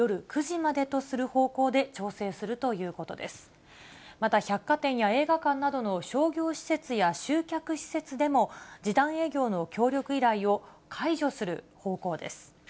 また百貨店や映画館などの商業施設や集客施設でも、時短営業の協力依頼を解除する方向です。